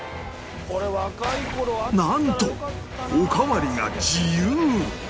なんとおかわりが自由！